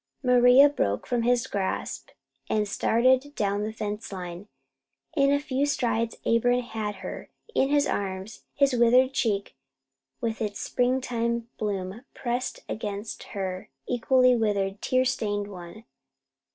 Maria broke from his grasp and started down the line fence. In a few strides Abram had her in his arms, his withered cheek with its springtime bloom pressed against her equally withered, tear stained one.